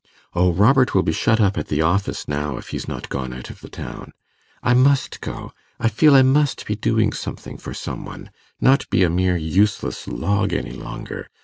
'O, Robert will be shut up at the office now, if he's not gone out of the town. I must go I feel I must be doing something for some one not be a mere useless log any longer.